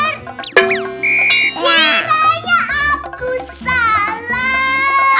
kiranya aku salah